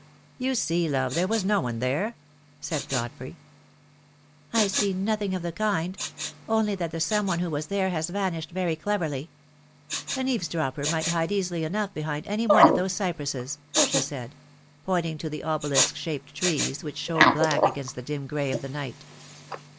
"You see, love, there was no one there," said Godfrey. "I see nothing of the kind — only that the some one who was there has vanished very cleverly. An eaves dropper might hide easily enough behind any one of those cypresses," she said, pointing to the obelisk shaped trees which showed black against the dim grey of the night.